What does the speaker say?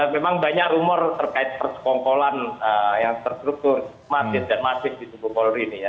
memang banyak rumor terkait persekongkolan yang terstruktur masif dan masif di tubuh polri ini ya